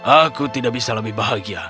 aku tidak bisa lebih bahagia